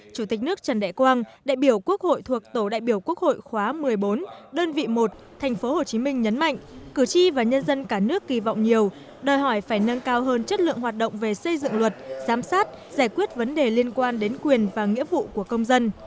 chủ tịch nước trần đại quang đại biểu quốc hội thuộc tổ đại biểu quốc hội khóa một mươi bốn đơn vị một tp hcm nhấn mạnh cử tri và nhân dân cả nước kỳ vọng nhiều đòi hỏi phải nâng cao hơn chất lượng hoạt động về xây dựng luật giám sát giải quyết vấn đề liên quan đến quyền và nghĩa vụ của công dân